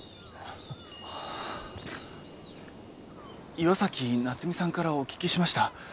岩崎夏海さんからお聞きしました。